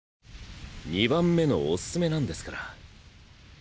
“２番目”のオススメなんですから。